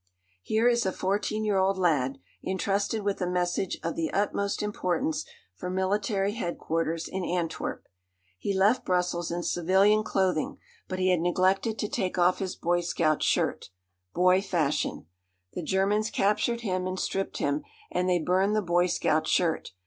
Here is a fourteen year old lad, intrusted with a message of the utmost importance for military headquarters in Antwerp. He left Brussels in civilian clothing, but he had neglected to take off his boy scout shirt boy fashion! The Germans captured him and stripped him, and they burned the boy scout shirt.